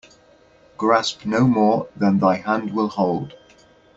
Grasp no more than thy hand will hold.